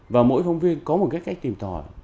và mỗi phóng viên có một cái cách tìm tòi